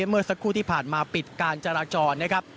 เมื่อสักครู่ที่ผ่านมาปิดการจราจรนะครับ